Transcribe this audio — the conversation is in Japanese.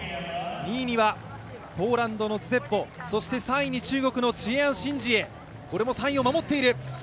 ２位にはポーランドのズジェブウォそして３位に中国に切陽什姐、これも３位を守っている。